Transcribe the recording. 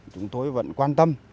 chúng tôi vẫn quan tâm